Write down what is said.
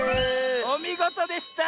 おみごとでした！